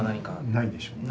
ないでしょうね。